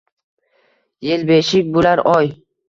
yelbeshik boʼlar oy.